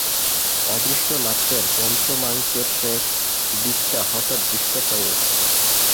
অদৃষ্ট নাট্যের পঞ্চমাঙ্কের শেষ দিকটা হঠাৎ দৃষ্ট হয়ে ওঠে।